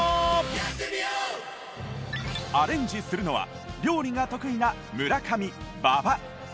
アレンジするのは料理が得意な村上馬場